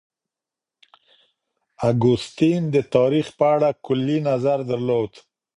اګوستين د تاريخ په اړه کلي نظر درلود.